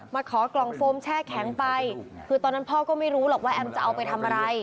มาขอกล่องโฟมแช่แข็งไปคือตอนนั้นพ่อก็ไม่รู้หรอกว่าแอมจะเอาไปทำอะไร